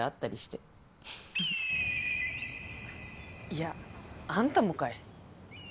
いやあんたもかい。